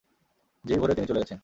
যেই ভোরে তিনি চলে গেছেন।